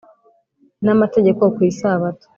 n amategeko ku isabato